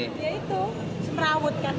ya itu semrawut kan